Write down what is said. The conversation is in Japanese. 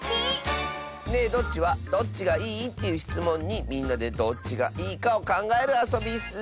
「ねえどっち？」はどっちがいい？というしつもんにみんなでどっちがいいかをかんがえるあそびッス。